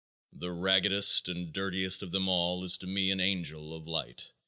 The raggedest and dirtiest of them all is to me an angel of light.